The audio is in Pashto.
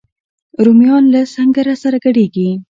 رومیان له سنګره سره ګډیږي